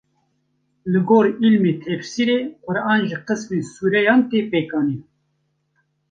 Li gor ilmê tefsîrê Quran ji qismên sûreyan tê pêkanîn.